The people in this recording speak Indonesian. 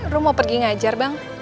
rum mau pergi ngajar bang